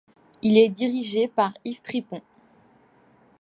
Il est dirigé par Yves Tripon, '.